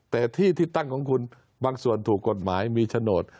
แต่ที่ที่ตั้งของคุณบางส่วนถูกกฎหมายมีโฉนด